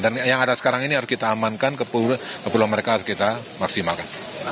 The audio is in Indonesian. dan yang ada sekarang ini harus kita amankan keperluan mereka harus kita maksimalkan